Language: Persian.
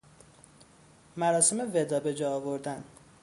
مراسم وداع بجا آوردن